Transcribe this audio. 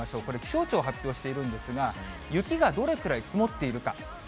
これ気象庁が発表しているんですが、雪がどれくらい積もっているか。